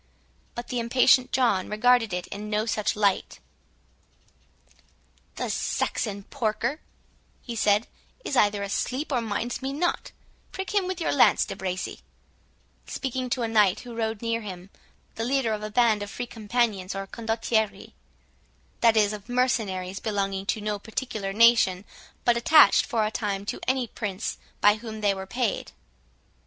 But the impatient John regarded it in no such light. "The Saxon porker," he said, "is either asleep or minds me not—Prick him with your lance, De Bracy," speaking to a knight who rode near him, the leader of a band of Free Companions, or Condottieri; that is, of mercenaries belonging to no particular nation, but attached for the time to any prince by whom they were paid.